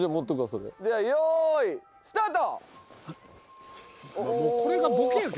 ではよいスタート！